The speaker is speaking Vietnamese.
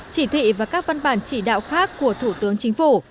chỉ thị và các văn bản chỉ đạo khác của thủ tướng chính phủ